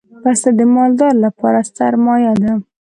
پسه د مالدار لپاره سرمایه ده.